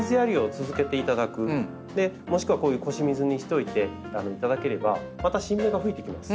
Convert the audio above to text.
もしくはこういう腰水にしておいていただければまた新芽が吹いてきます。